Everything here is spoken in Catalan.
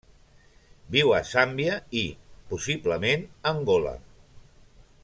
Viu a Zàmbia i, possiblement, Angola.